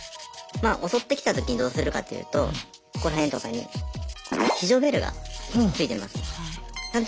襲ってきたときにどうするかっていうとここら辺とかに非常ベルが付いてます。